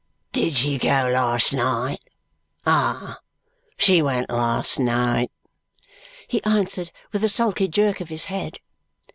"Did she go last night? Ah! She went last night," he answered with a sulky jerk of his head.